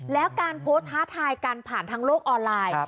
แล้วการโพสต์ท้าทายกันผ่านทางโลกออนไลน์